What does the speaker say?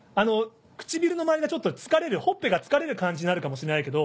唇の周りがちょっと疲れるほっぺが疲れる感じになるかもしれないけど